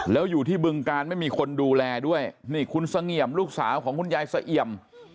แล้วอยู่ที่บึงการไม่มีคนดูแลด้วยนี่คุณเสงี่ยมลูกสาวของคุณยายเสเอี่ยม